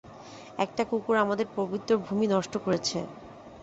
একটা কুকুর আমাদের পবিত্র ভূমি নষ্ট করেছে।